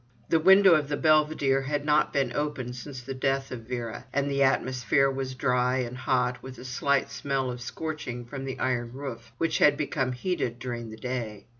The window of the belvedere had not been opened since the death of Vera, and the atmosphere was dry and hot, with a slight smell of scorching from the iron roof, which had become heated during the day.